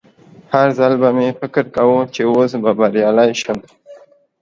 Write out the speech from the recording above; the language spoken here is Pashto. هر ځل به مې فکر کاوه چې اوس به بریالی شم